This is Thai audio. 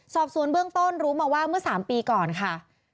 สอบสวนเบื้องต้นรู้มาว่าเมื่อ๓ปีก่อนค่ะ